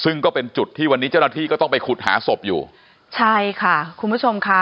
ซึ่งก็เป็นจุดที่วันนี้เจ้าหน้าที่ก็ต้องไปขุดหาศพอยู่ใช่ค่ะคุณผู้ชมค่ะ